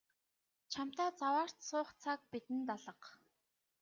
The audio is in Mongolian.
Чамтай заваарч суух цаг бидэнд алга.